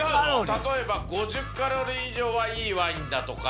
例えば５０カロリー以上はいいワインだとか。